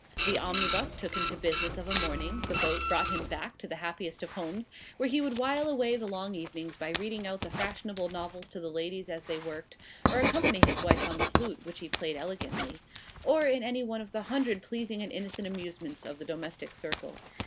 The omnibus took him to business of a morning; the boat brought him back to the happiest of homes, where he would while away the long evenings by reading out the fashionable novels to the ladies as they worked; or accompany his wife on the flute (which he played elegantly); or in any one of the hundred pleasing and innocent amusements of the domestic circle.